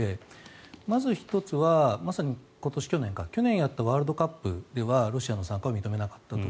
まず１つはまさに去年やったワールドカップではロシアの参加を認めなかったと。